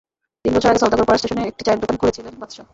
তিন বছর আগে সওদাগর পাড়া স্টেশনে একটি চায়ের দোকান খুলেছিলেন বাদশা।